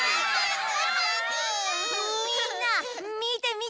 みんなみてみて！